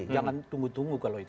jangan tunggu tunggu kalau itu